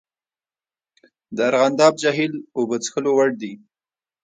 د ارغنداب جهیل اوبه څښلو وړ دي؟